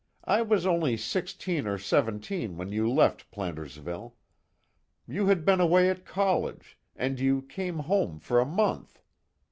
I was only sixteen or seventeen when you left Plantersville. You had been away at college, and you came home for a month.